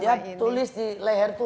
dia tulis di leher itu